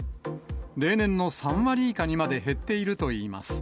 例年の３割以下にまで減っているといいます。